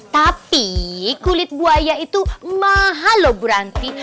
tapi kulit buaya itu mahal loh bu ranti